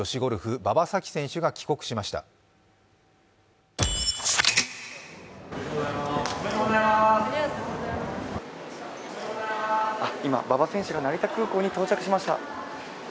今、馬場選手が成田空港に到着しました。